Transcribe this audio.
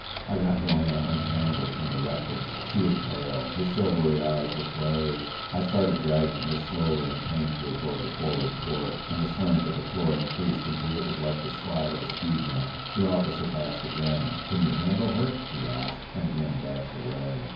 I got Joanna untangled from the wreckage. She was pale; her silvery eyes were closed. I started dragging her slowly and painfully toward the forward port, and the slant of the floor increased until it was like the slide of a ski jump. The officer passed again. "Can you handle her?" he asked, and again dashed away.